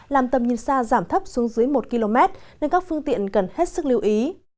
làm tầm nhìn xa giảm thấp xuống dưới một km nên các phương tiện cần hết sức lưu ý